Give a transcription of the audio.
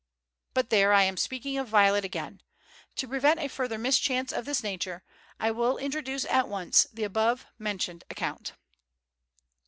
But there, I am speaking of Violet again. To prevent a further mischance of this nature, I will introduce at once the above mentioned account.